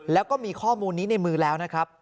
แล้วก็มีข้อมูลนี้ในมือแล้วนะครับ